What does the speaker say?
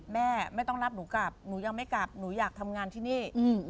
แม่ไม่ต้องรับหนูกลับหนูยังไม่กลับหนูอยากทำงานที่นี่